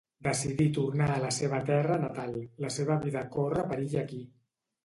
Decidir tornar a la seva terra natal, la seva vida corre perill aquí